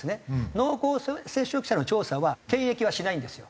濃厚接触者の調査は検疫はしないんですよ。